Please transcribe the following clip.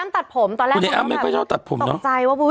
ตัดผมใช่ไม่ครับ